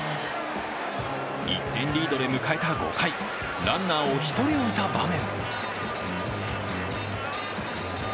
１点リードで迎えた５回、ランナーを１人置いた場面。